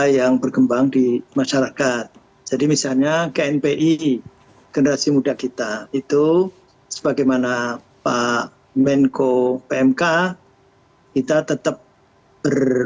ya kalau dpr